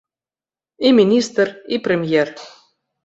І міністр, і прэм'ер.